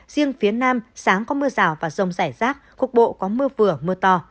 riêng phía nam sáng có mưa rào và rông rải rác cục bộ có mưa vừa mưa to